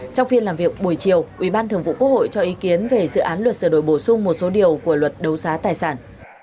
trong phiên làm việc buổi chiều ủy ban thường vụ quốc hội cho ý kiến về dự án luật sửa đổi bổ sung một số điều của luật đấu giá tài sản